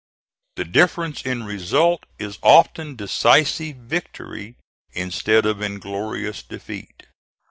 The difference in result is often decisive victory instead of inglorious defeat.